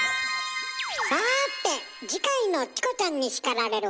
さて次回の「チコちゃんに叱られる！」